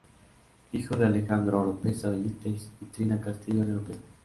Hijo de Alejandro Oropeza Benítez y Trina Castillo de Oropeza.